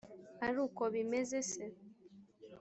ari uko bimeze se